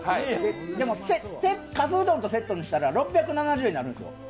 でもかすうどんとセットにしたら６７０円にするんですよ。